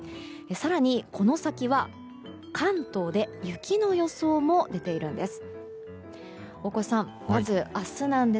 更にこの先は、関東で雪の予想も出ているんです。